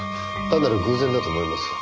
単なる偶然だと思います。